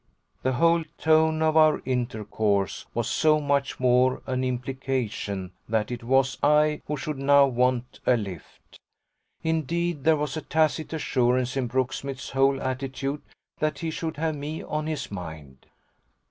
The whole tone of our intercourse was so much more an implication that it was I who should now want a lift. Indeed there was a tacit assurance in Brooksmith's whole attitude that he should have me on his mind.